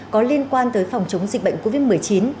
có liên quan tới phòng chống dịch bệnh covid một mươi chín